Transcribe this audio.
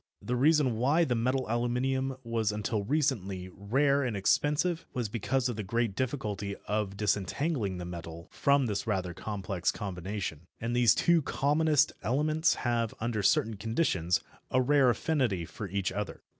The reason why the metal aluminium was until recently rare and expensive was because of the great difficulty of disentangling the metal from this rather complex combination. And these two commonest elements have, under certain conditions, a rare affinity for each other.